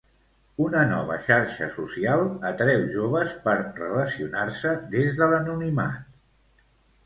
Una nova xarxa social atreu joves per relacionar-se des de l'anonimat.